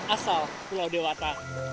asal pulau dewata